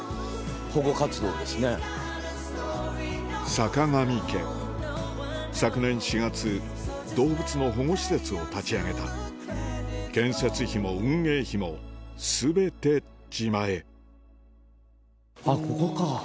さかがみ家昨年４月動物の保護施設を立ち上げた建設費も運営費も全て自前あっここか。